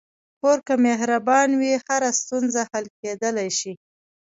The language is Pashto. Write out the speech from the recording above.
کور که مهربان وي، هره ستونزه حل کېدلی شي.